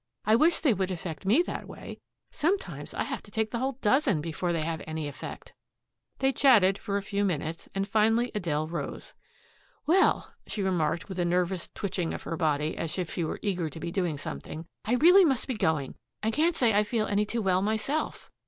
"I wish they would affect me that way. Sometimes I have to take the whole dozen before they have any effect." They chatted for a few minutes, and finally Adele rose. "Well," she remarked with a nervous twitching of her body, as if she were eager to be doing something, "I really must be going. I can't say I feel any too well myself."